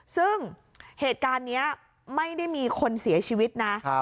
ซึ่งเหตุการณ์นี้ไม่ได้มีคนเสียชีวิตนะ